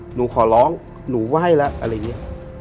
หนูขอร้องหนูไหว้แล้วอะไรอย่างนี้